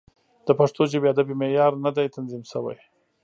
د پښتو ژبې ادبي معیار نه دی تنظیم شوی.